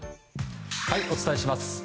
お伝えします。